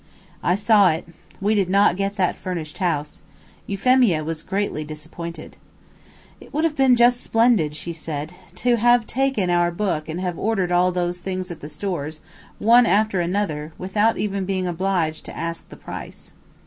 I saw it. We did not get that furnished house. Euphemia was greatly disappointed. "It would have been just splendid," she said, "to have taken our book and have ordered all these things at the stores, one after another, without even being obliged to ask the price."